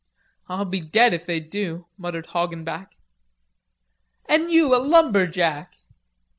"I'll be dead if they do," muttered Hoggenback. "An' you a lumberjack!"